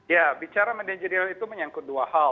ya bicara manajerial itu menyangkut dua hal